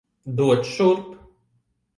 Dod šurp!